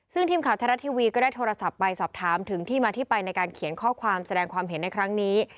ซึ่งทีมข่าวไทยรัฐทีวีก็ได้โทรศัพท์ไปสอบถามถึงที่มาที่ไปในการเขียนข้อความแสดงความเห็นในครั้งนี้